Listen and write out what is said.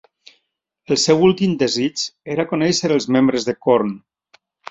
El seu últim desig era conèixer els membres de Korn.